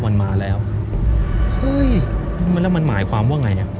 มันมาแล้วเฮ้ยมันแล้วมันหมายความว่าไงอ่ะ